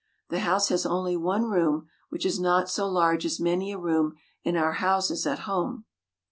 The house has only one room, which is not so large as many a room in our houses at home.